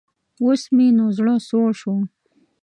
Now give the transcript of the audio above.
اوس مې نو زړۀ سوړ شو.